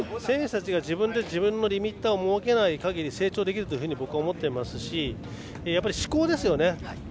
それは、選手たちが自分で自分のリミッターを設けない限り成長できると思っていますし思考ですよね。